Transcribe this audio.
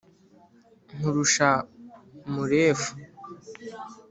Nkurusha Murefu,